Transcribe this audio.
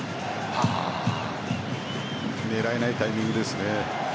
狙えないタイミングですね。